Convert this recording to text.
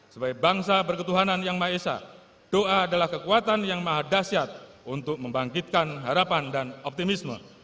sebagai bangsa berketuhanan yang maesah doa adalah kekuatan yang mahadasyat untuk membangkitkan harapan dan optimisme